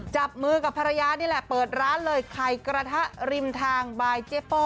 จับมือกับภรรยานี่แหละเปิดร้านเลยไข่กระทะริมทางบายเจโป้